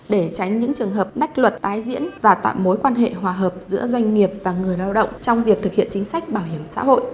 để tránh những trường hợp nách luật tái diễn và tạo mối quan hệ hòa hợp giữa doanh nghiệp và người lao động trong việc thực hiện chính sách bảo hiểm xã hội